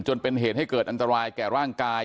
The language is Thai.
จนเป็นเหตุให้เกิดอันตรายแก่ร่างกาย